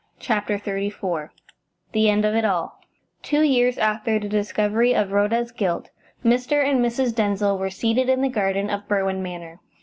CHAPTER XXXIV THE END OF IT ALL Two years after the discovery of Rhoda's guilt, Mr. and Mrs. Denzil were seated in the garden of Berwin Manor.